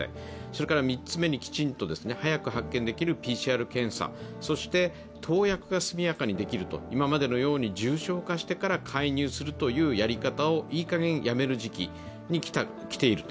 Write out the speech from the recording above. それから３つ目にきちんと、早く発見できるＰＣＲ検査、そして投薬が速やかにできると今までのように重症化してから介入するやり方をいい加減、やめる時期に来ている。